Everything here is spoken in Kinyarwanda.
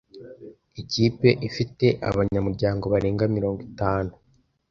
Ikipe ifite abanyamuryango barenga mirongo itanu.